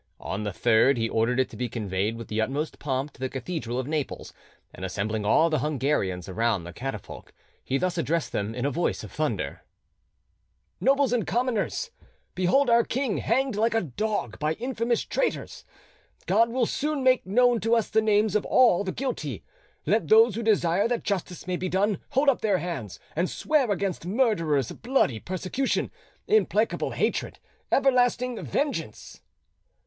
On the third he ordered it to be conveyed with the utmost pomp to the cathedral of Naples, and assembling all the Hungarians around the catafalque, he thus addressed them, in a voice of thunder:— "Nobles and commoners, behold our king hanged like a dog by infamous traitors. God will soon make known to us the names of all the guilty: let those who desire that justice may be done hold up their hands and swear against murderers bloody persecution, implacable hatred, everlasting vengeance."